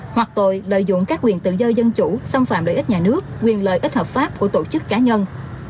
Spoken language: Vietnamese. hoặc tội lợi dụng các quyền tự do dân chủ xâm phạm lợi ích nhà nước quyền lợi ích hợp pháp của tổ chức cá nhân